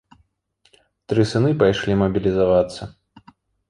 Тры сыны пайшлі мабілізавацца.